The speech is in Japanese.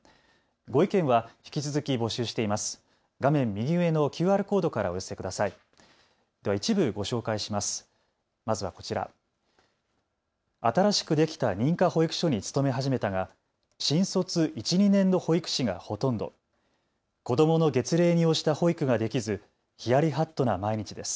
ご意見は引き続き募集しています。